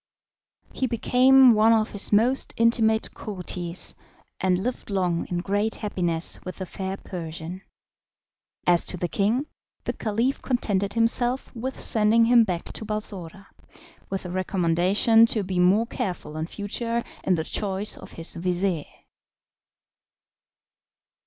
He became one of his most intimate courtiers, and lived long in great happiness with the fair Persian. As to the king, the Caliph contented himself with sending him back to Balsora, with the recommendation to be more careful in future in the choice of his vizir.